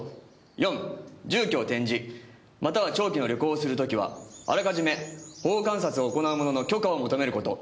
「四住居を転じまたは長期の旅行をする時はあらかじめ保護観察を行う者の許可を求めること」